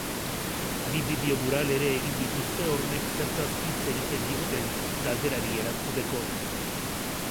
Bi bideo mural ere egin dituzte hormek zertaz hitz egiten diguten galderari erantzuteko.